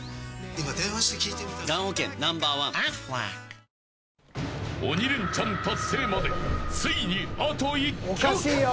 三菱電機鬼レンチャン達成までついにあと１曲。